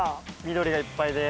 緑がいっぱいで。